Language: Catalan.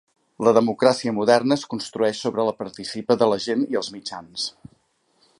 La democràcia moderna es construeix sobre la participa de la gent i els mitjans.